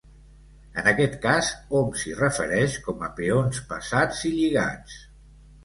En aquest cas, hom s'hi refereix com a peons passats i lligats.